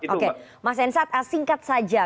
oke mas hensat singkat saja